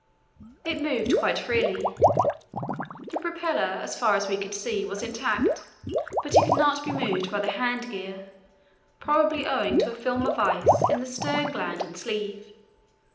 It moved quite freely. The propeller, as far as we could see, was intact, but it could not be moved by the hand gear, probably owing to a film of ice in the stern gland and sleeve.